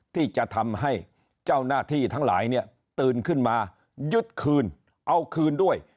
ที่จะทำให้เจ้าหน้าที่ทั้งหลายเนี่ยตื่นขึ้นมายึดคืนเอาคืนด้วย